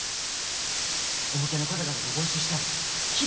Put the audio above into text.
お武家の方々とご一緒したらきっと丈夫になります。